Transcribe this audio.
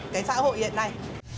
cái xã hội hiện nay